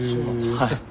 はい。